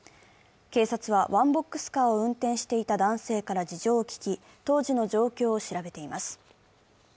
警察は、ワンボックスカーを運転していた男性から事情を聴き、当時の状況を調べています。